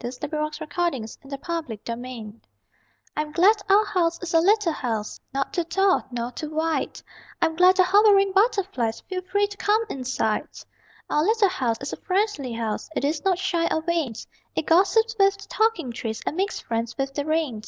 [Illustration: Courtesy] SONG FOR A LITTLE HOUSE I'm glad our house is a little house, Not too tall nor too wide: I'm glad the hovering butterflies Feel free to come inside. Our little house is a friendly house. It is not shy or vain; It gossips with the talking trees, And makes friends with the rain.